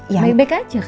baik baik aja kan